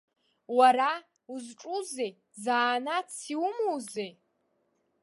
Уара узҿузеи, занааҭс иумоузеи?